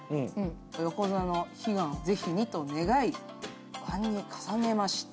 横綱の悲願をぜひにと願い、おわんに重ねました